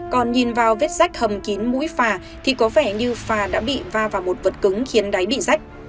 còn nhìn vào vết rách hầm kín mũi phà thì có vẻ như phà đã bị va vào một vật cứng khiến đáy bị rách